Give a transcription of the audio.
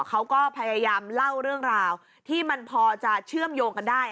เขาก็พยายามเล่าเรื่องราวที่มันพอจะเชื่อมโยงกันได้